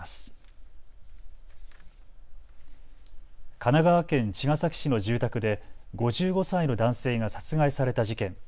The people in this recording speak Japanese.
神奈川県茅ヶ崎市の住宅で５５歳の男性が殺害された事件。